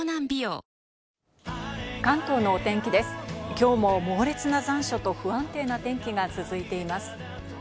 きょうも猛烈な残暑と不安定な天気が続いています。